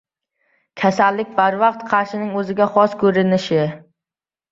Kasallik — barvaqt qarishning o‘ziga xos ko‘rinishi.